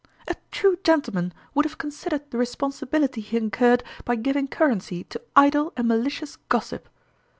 " A true gentleman would have considered the responsibility he incurred by giving cur rency to idle and malicious gossip